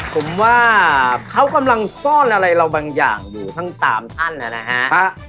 ผมว่าเขากำลังซ่อนอะไรเราบางอย่างอยู่ทั้ง๓ท่านนะฮะ